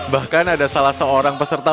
bahkan ada salah seorang peserta